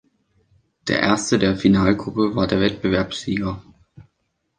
Der erste der Finalgruppe war der Wettbewerbssieger.